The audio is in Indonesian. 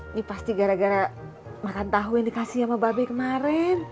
ini pasti gara gara makan tahu yang dikasih sama babe kemarin